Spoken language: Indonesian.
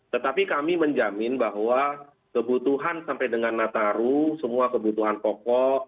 tetapi kami menjamin bahwa kebutuhan sampai dengan nataru semua kebutuhan pokok